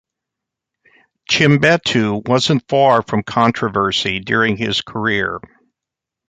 Chimbetu wasn't far from controversy during his career.